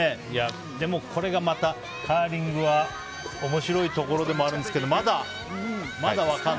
でも、これがまたカーリングは面白いところでもあるんですけど。